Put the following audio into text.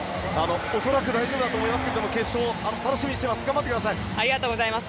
恐らく大丈夫だと思いますけど決勝、楽しみにしています。